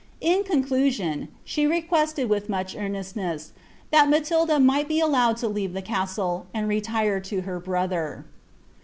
In conclusion, she requested vuli much earnestness " thai Matilda might he allowed to leave the caailc and retire to her brother."'